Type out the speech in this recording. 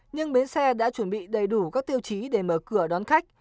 nhưng bến xe đã chuẩn bị đầy đủ các tiêu chí để mở cửa đón khách